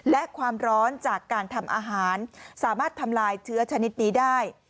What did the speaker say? และความร้อนจากการทำอาหารสามารถทำลายเชื้อชนิดนี้ได้